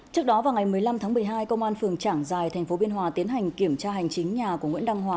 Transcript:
trước đó vào ngày một mươi năm tháng một mươi hai công an phường trảng giài tp biên hòa tiến hành kiểm tra hành chính nhà của nguyễn đăng hòa